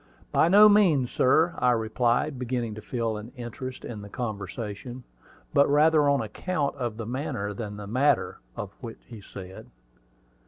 "By no means, sir," I replied, beginning to feel an interest in the conversation; but rather on account of the manner than the matter of what he said.